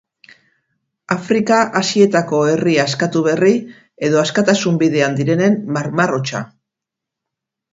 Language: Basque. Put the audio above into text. Afrika-Asietako herri askatu berri edo askatasun bidean direnen marmar hotsa.